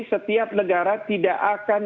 setiap negara tidak akan